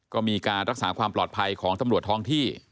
ก็มีการรักษาความปลอดภัยของตำรวจท้องที่